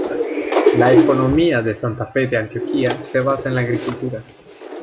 La economía de Santa Fe de Antioquia se basa en la agricultura.